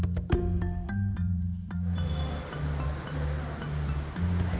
penerapan protokol kesehatan yang ketat pilkada di kota tangerang selatan diharapkan akan berjalan lancar